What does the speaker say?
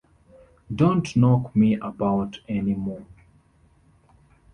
Don't knock me about any more.